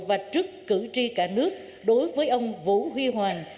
và trước cử tri cả nước đối với ông vũ huy hoàng